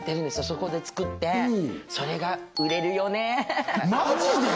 そこで作ってそれが売れるよねマジで？